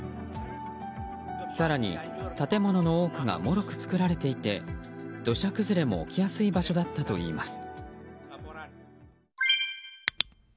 更に、建物の多くがもろく造られていて土砂崩れも起きやすい場所だったといいます。